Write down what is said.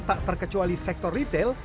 tak terkecuali sektor retail